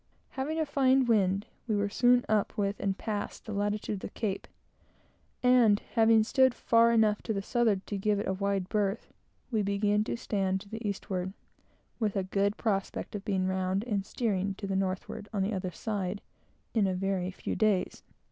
Having a fine wind, we were soon up with and passed the latitude of the Cape, and having stood far enough to the southward to give it a wide berth, we began to stand to the eastward, with a good prospect of being round and steering to the northward on the other side, in a very few days.